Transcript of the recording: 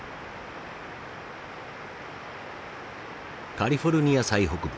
カリフォルニア最北部。